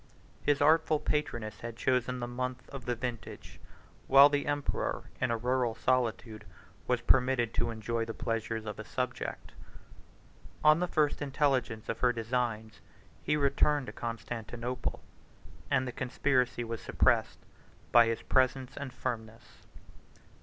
His artful patroness had chosen the month of the vintage, while the emperor, in a rural solitude, was permitted to enjoy the pleasures of a subject. On the first intelligence of her designs, he returned to Constantinople, and the conspiracy was suppressed by his presence and firmness.